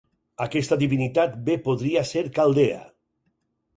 Aquesta divinitat bé podria ser caldea.